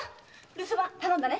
留守番頼んだね。